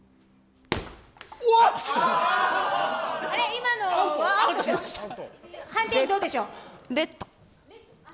今のは判定、どうでしょう？